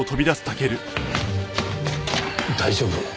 大丈夫？